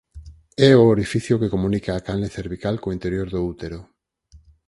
É o orificio que comunica a canle cervical co interior do útero.